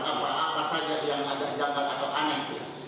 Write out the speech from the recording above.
apa saja yang agak jambat atau aneh